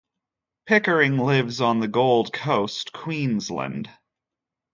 Pickering lives on the Gold Coast, Queensland.